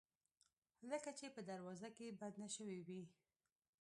لکه چې په دروازه کې بنده شوې وي